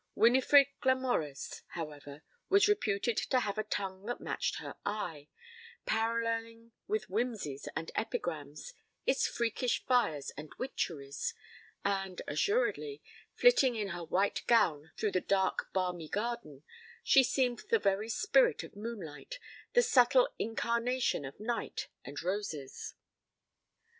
Winifred Glamorys, however, was reputed to have a tongue that matched her eye; paralleling with whimsies and epigrams its freakish fires and witcheries, and, assuredly, flitting in her white gown through the dark balmy garden, she seemed the very spirit of moonlight, the subtle incarnation of night and roses.